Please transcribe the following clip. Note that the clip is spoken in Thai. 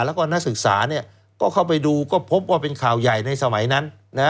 แล้วก็นักศึกษาก็เข้าไปดูก็พบว่าเป็นข่าวใหญ่ในสมัยนั้น